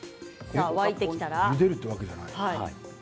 ゆでるというわけじゃない。